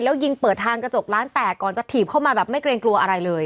แล้วยิงเปิดทางกระจกร้านแตกก่อนจะถีบเข้ามาแบบไม่เกรงกลัวอะไรเลย